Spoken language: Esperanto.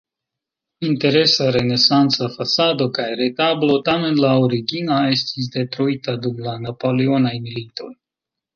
Interesa renesanca fasado kaj retablo, tamen la origina estis detruita dum la napoleonaj militoj.